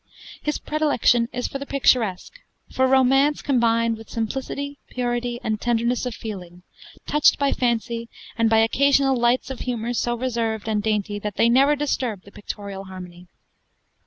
His predilection is for the picturesque; for romance combined with simplicity, purity, and tenderness of feeling, touched by fancy and by occasional lights of humor so reserved and dainty that they never disturb the pictorial harmony.